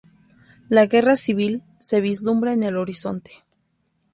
La Guerra Civil se vislumbra en el horizonte.